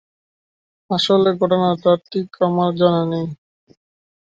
আসলে, ঘটনাটা ঠিক আমার জানা নেই।